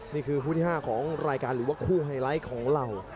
นี่คือคู่ที่๕ของรายการหรือว่าคู่ไฮไลท์ของเรา